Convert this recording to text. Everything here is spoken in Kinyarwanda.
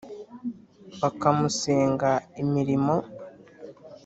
bakamusenga imirimo.